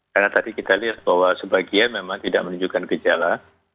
karena tadi kita lihat bahwa sebagian memang tidak menunjukkan gejala